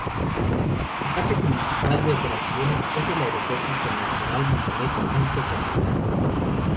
Su base principal de operaciones es el Aeropuerto Internacional Mohammed V, Casablanca.